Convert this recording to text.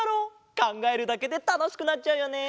かんがえるだけでたのしくなっちゃうよねえ。